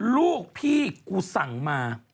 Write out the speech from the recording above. ลูกพี่กูสั่งมา